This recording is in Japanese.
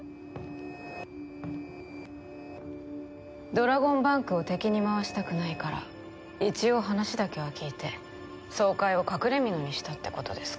ドラゴンバンクを敵に回したくないから一応話だけは聞いて総会を隠れ蓑にしたってことですか？